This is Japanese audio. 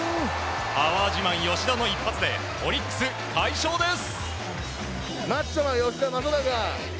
パワー自慢、吉田の一発でオリックス、快勝です！